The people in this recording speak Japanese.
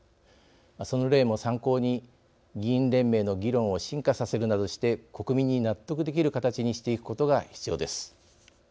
その例も参考に議員連盟の議論を進化させるなどして国民に納得できる形にしていくことが必要です。